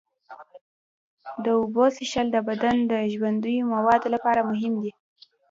د اوبو څښل د بدن د ژوندیو موادو لپاره مهم دي.